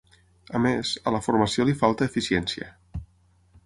A més, a la formació li falta eficiència.